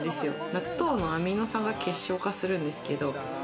納豆のアミノ酸が結晶化するんですけれど。